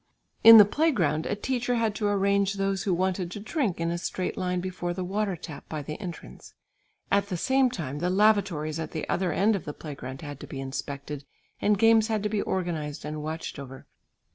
In the play ground a teacher had to arrange those who wanted to drink in a straight line before the water tap by the entrance; at the same time the lavatories at the other end of the play ground had to be inspected, and games had to be organised and watched over.